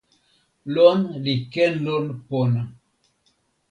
lon li ken lon pona.